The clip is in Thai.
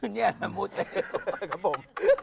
เนี่ยอะไรมูเตลู